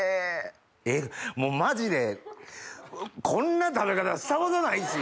えっもうマジでこんな食べ方したことないし。